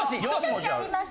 「し」あります。